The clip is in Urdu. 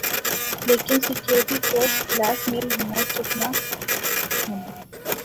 لیکن سیکورٹی فورس بلیک میل ہونا چکنا ہونا